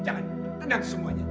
jangan tenang semuanya